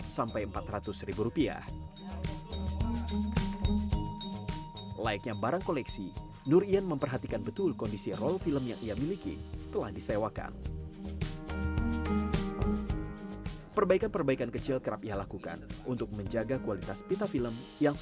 sekarang kurang lebih sekitar empat ratus lima puluh judul film